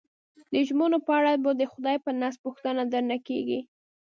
د ژمنو په اړه به د خدای په نزد پوښتنه درنه کېږي.